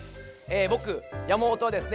ぼく山本はですね